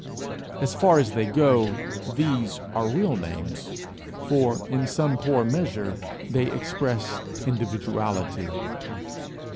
As far as they go, these are real names, for, in some poor measure, they express individuality.